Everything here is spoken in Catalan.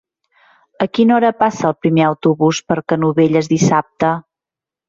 A quina hora passa el primer autobús per Canovelles dissabte?